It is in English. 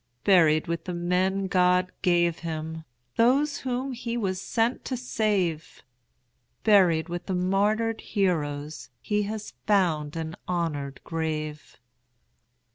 Buried with the men God gave him, Those whom he was sent to save; Buried with the martyred heroes, He has found an honored grave.